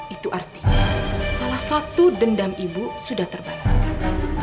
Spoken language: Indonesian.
itu artinya salah satu dendam ibu sudah terbataskan